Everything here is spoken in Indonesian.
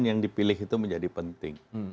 yang dipilih itu menjadi penting